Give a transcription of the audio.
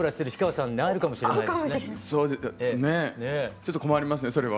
ちょっと困りますねそれは。